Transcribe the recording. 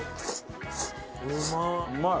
うまい！